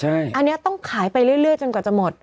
อันนี้ต้องขายไปเรื่อยจนกว่าจะหมด